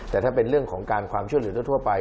แต่ถ้าเป็นเรื่องของการความช่วยเหลือทั่วไป